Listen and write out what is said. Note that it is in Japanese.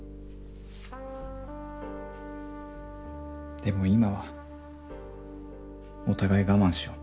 でも今はお互い我慢しよう。